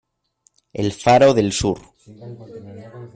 el faro del sur